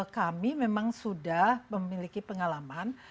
kami memang sudah memiliki pengalaman